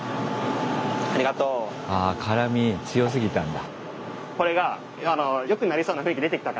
あ辛み強すぎたんだ。